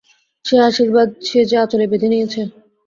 সেই আশীর্বাদ সে যে আঁচলে বেঁধে নিয়েছে।